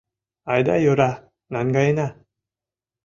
Айда йора, наҥгаена.